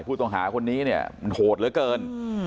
ผู้ต้องหาคนนี้เนี่ยมันโหดเหลือเกิน